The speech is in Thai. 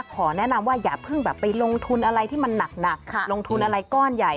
ขอแนะนำว่าอย่าเพิ่งแบบไปลงทุนอะไรที่มันหนักลงทุนอะไรก้อนใหญ่